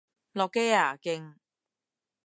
落機啊！勁！